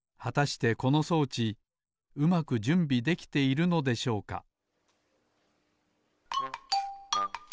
はたしてこの装置うまくじゅんびできているのでしょうか？